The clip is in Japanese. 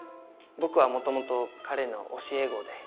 僕はもともと彼の教え子で。